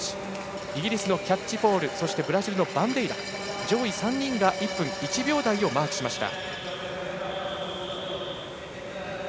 イギリスのキャッチポールブラジルのバンデイラ上位３人が１分１秒台をマークしました。